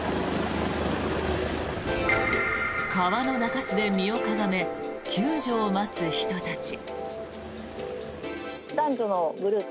川の中州で身をかがめ救助を待つ人たち。